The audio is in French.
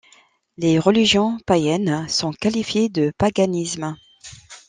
Les religions païennes sont qualifiées de paganisme.